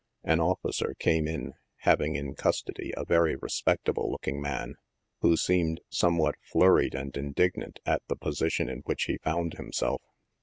An officer came in, having in custody a very respectable looking man, who seemed somewhat flur ried and indignant at the position in which he found himself.